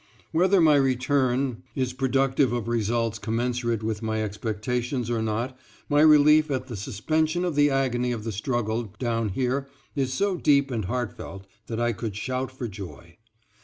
Whether my return .... is productive of results commensurate with my expectations or not, my relief at the suspension of the agony of the struggle down here is so deep and heartfelt that I could shout for joy.